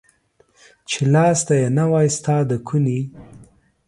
چي لاستى يې نه واى ستا د کوني.